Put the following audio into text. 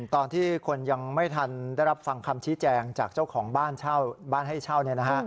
ตอนที่คนยังไม่ทันได้รับฟังคำชี้แจงจากเจ้าของบ้านเช่าบ้านให้เช่า